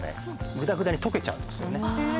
グダグダに溶けちゃうんですよね。